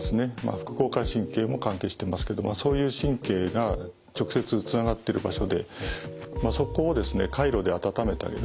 副交感神経も関係してますけどもそういう神経が直接つながってる場所でそこをですねカイロで温めてあげる。